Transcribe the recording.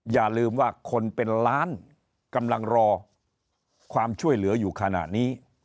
อย่าลืมว่าคนเป็นล้านกำลังรอความช่วยเหลืออยู่ขณะนี้